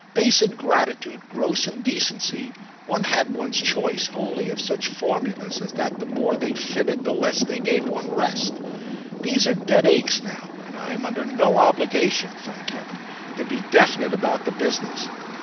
Base ingratitude, gross indecency—one had one's choice only of such formulas as that the more they fitted the less they gave one rest. These are dead aches now, and I am under no obligation, thank heaven, to be definite about the business.